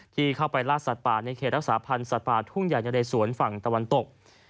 ที่เข้าไปล่าสัตว์ป่าในเขตรักษาพันธ์สัตว์ป่าทุ่งใหญ่ในเรสวนฝั่งตะวันตก